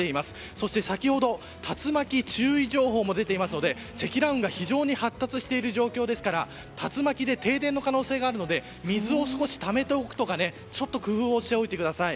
そして、先ほど竜巻注意情報も出ていますので積乱雲が非常に発達している状況ですから竜巻で停電の可能性があるので水をためておくとかちょっと工夫をしておいてください。